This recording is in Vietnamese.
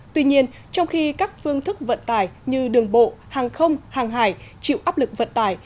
tuy nhiên trong khi các phương thức vận tải như đường bộ hàng không hàng hải chịu áp lực vận tải